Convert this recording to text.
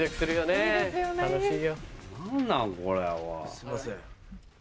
すいません。